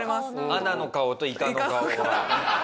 アナの顔といかの顔は。